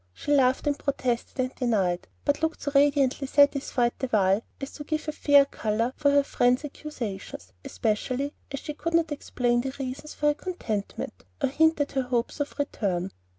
She laughed and protested and denied, but looked so radiantly satisfied the while as to give a fair color for her friends' accusations, especially as she could not explain the reasons of her contentment or hint at her hopes of return.